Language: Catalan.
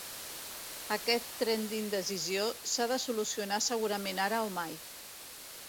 Aquest tren d'indecisió s'ha de solucionar segurament ara o mai.